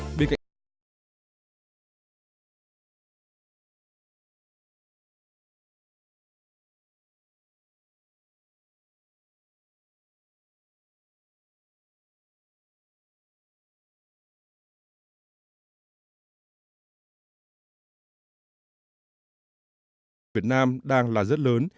các doanh nghiệp việt nam đang là rất lớn